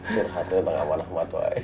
curhat untuk sama nahmat wai